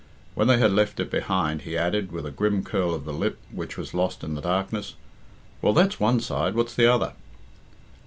When they had left it behind, he added, with a grim curl of the lip, which was lost in the darkness, "Well, that's one side. What's the other?"